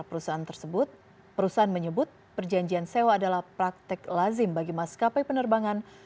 perusahaan tersebut perusahaan menyebut perjanjian sewa adalah praktek lazim bagi maskapai penerbangan